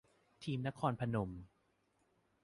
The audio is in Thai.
ทีมนครพนม